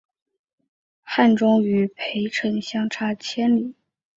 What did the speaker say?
汉中与涪城相差千里。